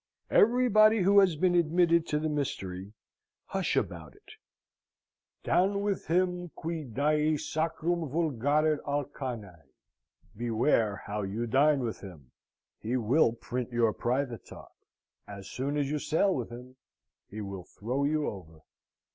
Everybody who has been admitted to the mystery, hush about it. Down with him qui Deae sacrum vulgarit arcanae. Beware how you dine with him, he will print your private talk: as sure as you sail with him, he will throw you over.